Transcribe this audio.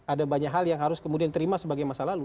ada banyak hal yang harus kemudian diterima sebagai masa lalu